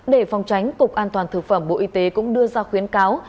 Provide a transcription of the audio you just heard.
để phòng tránh cục an toàn thực phẩm bộ y tế cũng đưa ra khuyến cáo